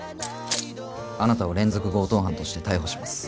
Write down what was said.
あなたを連続強盗犯として逮捕します。